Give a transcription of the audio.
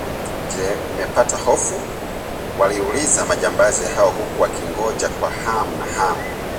Je, umepata hofu?" waliuliza majambazi hao huku wakingoja kwa hamu na hamu